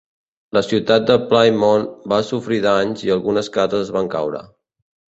La ciutat de Plymouth va sofrir danys i algunes cases van caure.